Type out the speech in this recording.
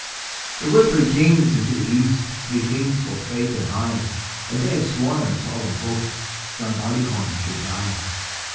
] I. There were three kings into the east, Three kings both great and high; And they hae sworn a solemn oath John Barleycorn should die.